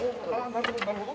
なるほどなるほど。